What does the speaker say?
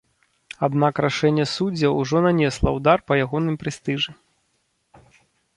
Аднак рашэнне суддзяў ужо нанесла ўдар па ягоным прэстыжы.